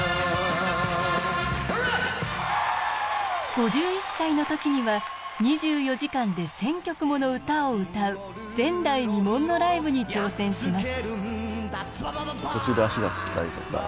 ５１歳の時には２４時間で１，０００曲もの歌を歌う前代未聞のライブに挑戦します。